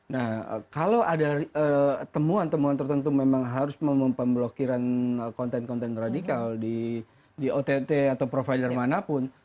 nah kalau ada temuan temuan tertentu memang harus memblokiran konten konten radikal di ott atau provider manapun